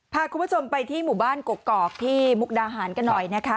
พาคุณผู้ชมไปที่หมู่บ้านกกอกที่มุกดาหารกันหน่อยนะคะ